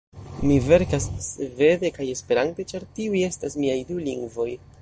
Mi verkas svede kaj Esperante, ĉar tiuj estas miaj du lingvoj.